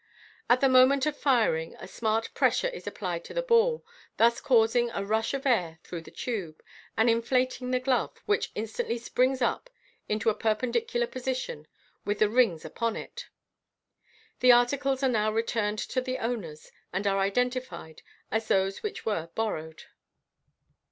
At the moment of firing i smart pressure is applied to the ball, thus causing a rush of air through the tube, and inflating the glove, which instantly springs up into a perpendicular position, with the rings upon it. The articles are now returned to the owners, and are identified as those which were borrowed.